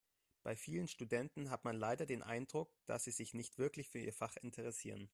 Bei vielen Studenten hat man leider den Eindruck, dass sie sich nicht wirklich für ihr Fach interessieren.